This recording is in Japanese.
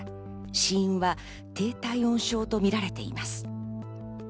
死因は低体温症とみられています。